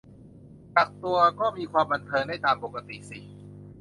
กักตัวก็มีความบันเทิงได้ตามปกติสิ